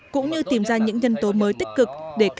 cũng như tìm ra những nhân tố mới tích cực